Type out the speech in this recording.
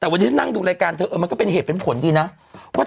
มันก็เป็นเหตุเป็นผลป่ะ